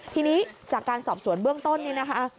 ทีนี้จากการสอบสวนเบื้องต้นนี่นะคะ